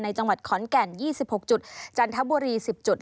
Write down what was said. จังหวัดขอนแก่น๒๖จุดจันทบุรี๑๐จุด